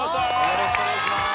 よろしくお願いします